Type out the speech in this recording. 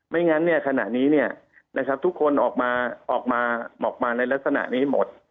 งั้นขณะนี้ทุกคนออกมาออกมาในลักษณะนี้หมด